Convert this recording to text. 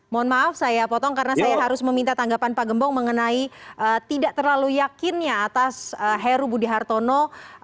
mohon maaf saya potong karena saya harus meminta tanggapan pak gembong mengenai tidak terlalu yakinnya atas heru budi hartono